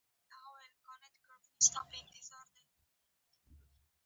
هغوی په پاک هیلې کې پر بل باندې ژمن شول.